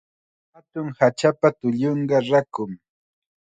Hatun hachapa tullunqa rakum.